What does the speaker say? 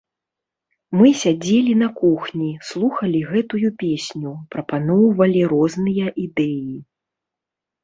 Мы сядзелі на кухні, слухалі гэтую песню, прапаноўвалі розныя ідэі.